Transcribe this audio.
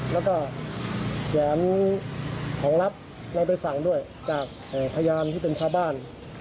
แล้วก็แขนของรับแล้วไปสั่งด้วยจากพยายามที่เป็นพาบ้าน